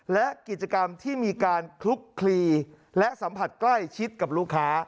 และกิจกรรมที่มีการคลุกคลีและสัมผัสใกล้ชิดกับลูกค้า